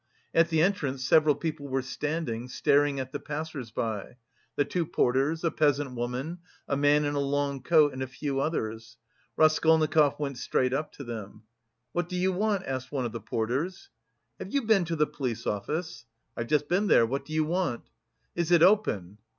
At the entrance several people were standing, staring at the passers by; the two porters, a peasant woman, a man in a long coat and a few others. Raskolnikov went straight up to them. "What do you want?" asked one of the porters. "Have you been to the police office?" "I've just been there. What do you want?" "Is it open?"